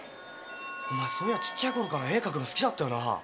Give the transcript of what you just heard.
お前そういやちっちゃいころから絵描くの好きだったよな。